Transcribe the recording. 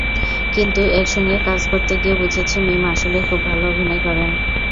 কিন্তু একসঙ্গে কাজ করতে গিয়ে বুঝেছি, মিম আসলেই খুব ভালো অভিনয় করেন।